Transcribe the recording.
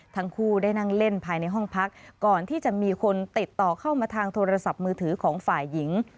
ทั้งคู่ได้นั่งเล่นภายในห้องพักก่อนที่จะมีคนติดต่อเข้ามาทางโทรศัพท์มือถือของฝ่ายหญิง